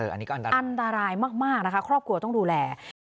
อันนี้ก็อันตรายมากนะคะครอบครัวต้องดูแล